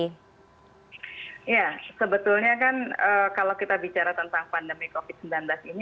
ya sebetulnya kan kalau kita bicara tentang pandemi covid sembilan belas ini